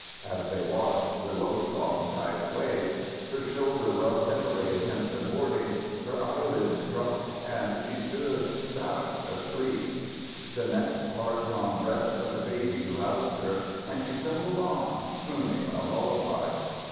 As they watched, the low song died away, her shoulder rubbed heavily against the boarding, her eyelids dropped and she stood sound asleep. The next hard drawn breath of the baby roused her and she stumbled on, crooning a lullaby.